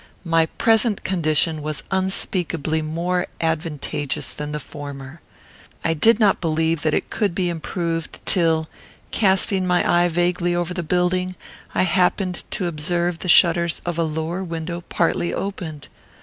My present condition was unspeakably more advantageous than the former. I did not believe that it could be improved, till, casting my eye vaguely over the building, I happened to observe the shutters of a lower window partly opened.